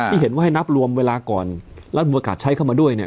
ที่เห็นว่าให้นับรวมเวลาก่อนรัฐประกาศใช้เข้ามาด้วยเนี่ย